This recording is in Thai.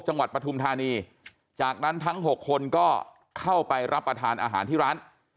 ปฐุมธานีจากนั้นทั้ง๖คนก็เข้าไปรับประทานอาหารที่ร้าน